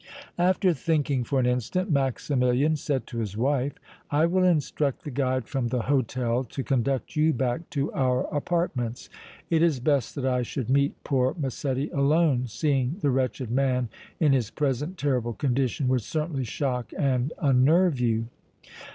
After thinking for an instant, Maximilian said to his wife: "I will instruct the guide from the hôtel to conduct you back to our apartments. It is best that I should meet poor Massetti alone; seeing the wretched man in his present terrible condition would certainly shock and unnerve you."